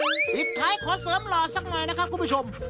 ปิดท้ายขอเสริมหล่อสักหน่อยนะครับคุณผู้ชม